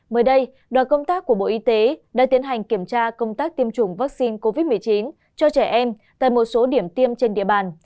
mới đây đoàn công tác của bộ y tế đã tiến hành kiểm tra công tác tiêm chủng vaccine covid một mươi chín cho trẻ em tại một số điểm tiêm trên địa bàn